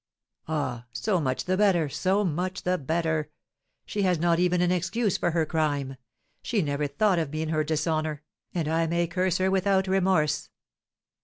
Ah, so much the better, so much the better! She has not even an excuse for her crime; she never thought of me in her dishonour, and I may curse her without remorse."